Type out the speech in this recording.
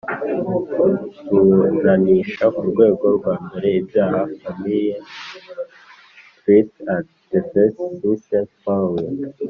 ruburanisha ku rwego rwa mbere ibyaha family tries at the first instance the following